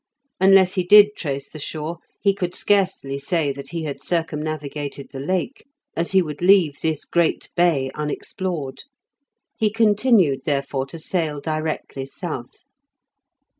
Unless he did trace the shore, he could scarcely say that he had circumnavigated the Lake, as he would leave this great bay unexplored. He continued, therefore, to sail directly south.